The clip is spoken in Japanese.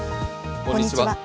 こんにちは。